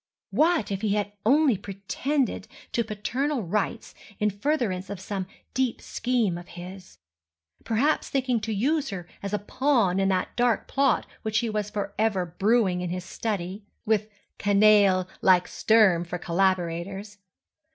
What if he had only pretended to paternal rights in furtherance of some deep scheme of his?—perhaps thinking to use her as a pawn in that dark plot which he was forever brewing in his study (with canaille like Sturm for collaborators!)